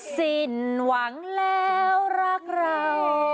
สิ้นหวังแล้วรักเรา